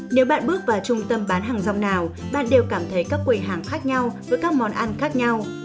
nếu bạn bước vào trung tâm bán hàng rong nào bạn đều cảm thấy các quầy hàng khác nhau với các món ăn khác nhau